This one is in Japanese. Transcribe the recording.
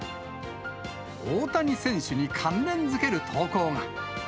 大谷選手に関連付ける投稿が。